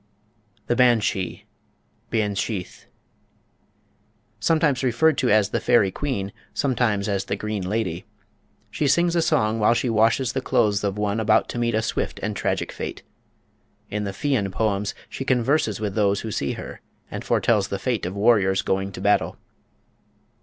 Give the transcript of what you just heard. The Banshee (Beanshith). Sometimes referred to as "The Fairy Queen," sometimes as "The Green Lady." She sings a song while she washes the clothes of one about to meet a swift and tragic fate. In the Fian poems she converses with those who see her, and foretells the fate of warriors going to battle.